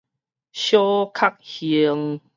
小確幸